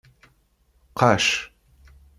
Qacc.